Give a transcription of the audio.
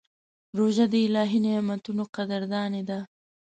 روژه د الهي نعمتونو قدرداني ده.